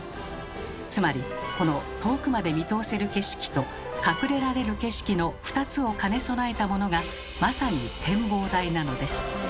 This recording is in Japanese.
つまりこの遠くまで見通せる景色と隠れられる景色の２つを兼ね備えたものがまさに展望台なのです。